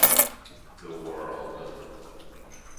The World.